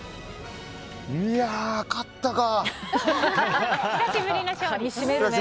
いやー、勝ったか。